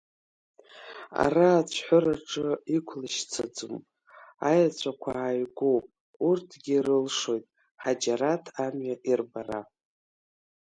Ара ацәҳәыраҿы иқәлашьцаӡом, аеҵәақәа ааигәоуп, урҭгьы ирылшоит Ҳаџьараҭ амҩа ирбара.